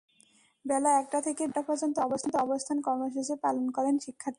বেলা একটা থেকে বিকেল চারটা পর্যন্ত অবস্থান কর্মসূচি পালন করেন শিক্ষার্থীরা।